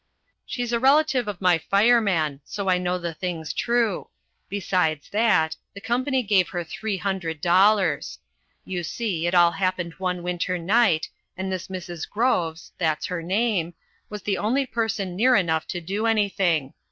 "She's a relative of my fireman, so I know the thing's true; besides that, the company gave her three hundred dollars. You see, it all happened one winter night, and this Mrs. Groves that's her name was the only person near enough to do anything.